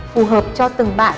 phù hợp cho từng bạn